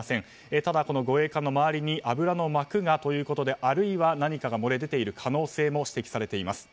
ただ護衛艦の周りに油の膜がということであるいは何かが漏れ出ている可能性も指摘されています。